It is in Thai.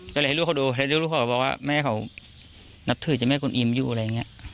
ก็เลยให้ลูกเขาดูแล้วลูกเขาบอกว่าแม่เขานับถือเจ้าแม่คุณอิมอยู่อะไรอย่างนี้